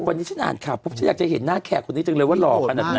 วันนี้ฉันอ่านข่าวปุ๊บฉันอยากจะเห็นหน้าแขกคนนี้จังเลยว่าหล่อขนาดไหน